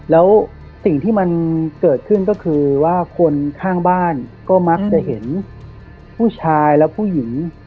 แล้วสิ่งที่มันเกิดขึ้นก็คือว่าคนข้างบ้านก็มักจะเห็นผู้ชายและผู้หญิง